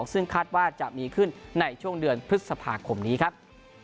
ซึ่งคาดว่าจะมีขึ้นในช่วงเดือนพฤษภาคมนี้ครับ